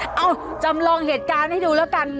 เอ้าจำลองเหตุการณ์ให้ดูแล้วกัน